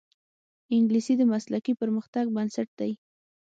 انګلیسي د مسلکي پرمختګ بنسټ دی